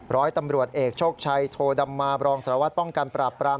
ร้อยตำรวจเอกโชคชัยโทดำมาบรองสารวัตรป้องกันปราบปราม